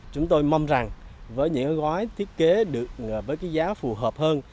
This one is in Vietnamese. chúng tôi mong rằng với những gói thiết kế được với giá phù hợp hơn